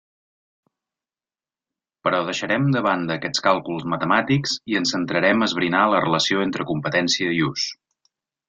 Però deixarem de banda aquests càlculs matemàtics i ens centrarem a esbrinar la relació entre competència i ús.